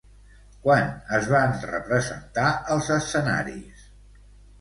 Quan es van representar als escenaris?